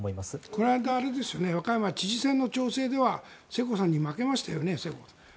この間和歌山知事選の調整では世耕さんは負けましたよね。